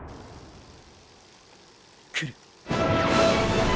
来る！